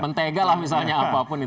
mentega lah misalnya apapun